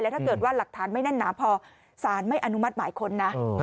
ถ้าเกิดว่าหลักฐานไม่แน่นหนาพอสารไม่อนุมัติหมายค้นนะ